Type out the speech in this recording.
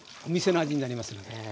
お店の味になりますので。